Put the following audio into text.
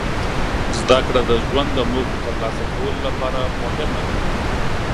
زدهکړه د ژوند د موخو ترلاسه کولو لپاره مهمه ده.